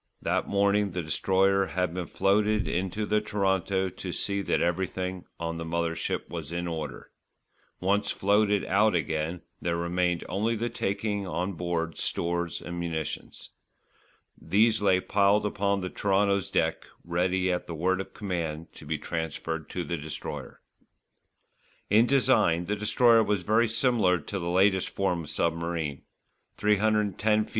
That morning the Destroyer had been floated into the Toronto to see that everything on the mother ship was in order. Once floated out again, there remained only the taking on board stores and munitions. These lay piled upon the Toronto's deck ready at the word of command to be transferred to the Destroyer. In design the Destroyer was very similar to the latest form of submarine: 310 ft.